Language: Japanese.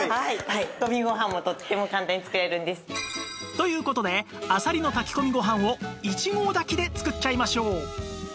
という事であさりの炊き込みご飯を１合炊きで作っちゃいましょう